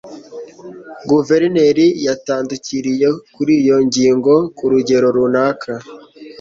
guverineri yatandukiriye kuri iyo ngingo ku rugero runaka